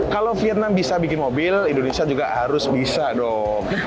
kalau vietnam bisa bikin mobil indonesia juga harus bisa dong